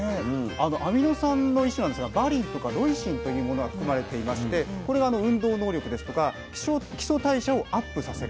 アミノ酸の一種なんですがバリンとかロイシンっていうものが含まれていましてこれが運動能力ですとか基礎代謝をＵＰさせる。